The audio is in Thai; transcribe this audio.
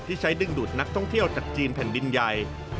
ที่ใช้ดึงดูดนักท่องเที่ยวจากจีนแผ่นดินใหญ่